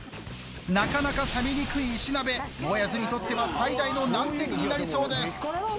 なかなか冷めにくい石鍋もえあずにとっては最大の難敵になりそうです。